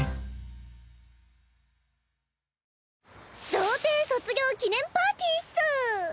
童貞卒業記念パーティーっス！